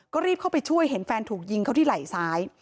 ก็รีบเข้าไปช่วยเห็นแฟนถูกยิงเขาที่ไหล่ซ้าย